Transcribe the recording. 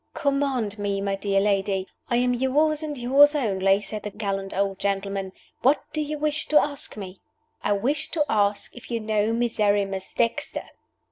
"Command me, my dear lady I am yours and yours only," said the gallant old gentleman. "What do you wish to ask me?" "I wish to ask if you know Miserrimus Dexter."